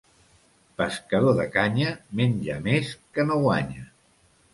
Pescador de canya, menja més que no guanya.